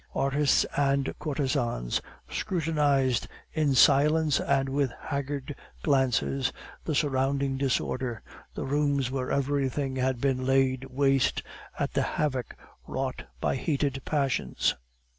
Artists and courtesans scrutinized in silence and with haggard glances the surrounding disorder, the rooms where everything had been laid waste, at the havoc wrought by heated passions.